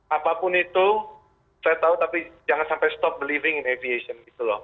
apapun itu saya tahu tapi jangan sampai stop believing in aviation